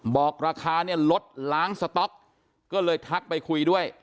บอกราคาเนี่ยลดล้างสต๊อกก็เลยทักไปคุยด้วย